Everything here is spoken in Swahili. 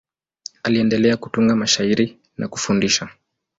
Aliendelea kutunga mashairi na kufundisha.